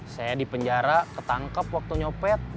saya di penjara ketangkep waktu nyopet